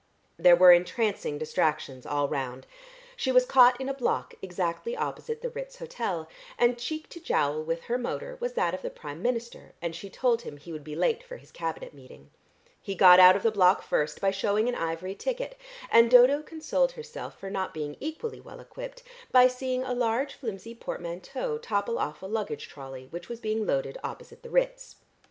There were entrancing distractions all round. She was caught in a block exactly opposite the Ritz Hotel, and cheek to jowl with her motor was that of the Prime Minister, and she told him he would be late for his Cabinet meeting. He got out of the block first by shewing an ivory ticket, and Dodo consoled herself for not being equally well equipped by seeing a large flimsy portmanteau topple off a luggage trolley which was being loaded opposite the Ritz.